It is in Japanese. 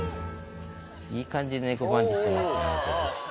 いい感じで猫パンチしてますね